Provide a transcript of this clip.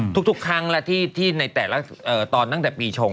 ทุกครั้งแล้วที่ในแต่ละตอนตั้งแต่ปีชง